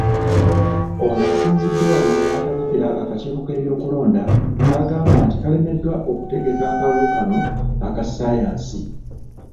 Ono asinzidde wano n'atabukira akakiiko k'ebyokulonda k'agamba nti kalemeddwa okutegeka akalulu kano aka Ssaayansi.